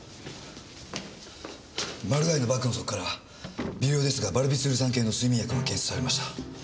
マルガイのバッグの底から微量ですがバルビツール酸系の睡眠薬が検出されました。